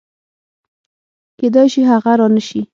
کېدای شي هغه رانشي